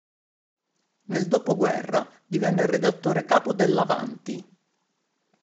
Nel dopoguerra divenne redattore capo dell"'Avanti!